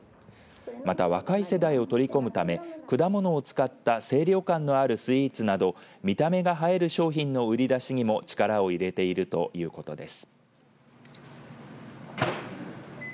また、若い世代を取り込むため果物を使った清涼感のあるスイーツなど見た目が映える商品の売り出しにも力を入れているということです。